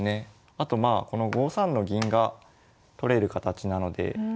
あとまあこの５三の銀が取れる形なので。